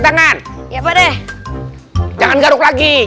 pake tangan pake tangan